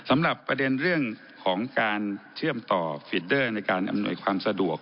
ไม่ถึงสถานีรถไฟฟ้า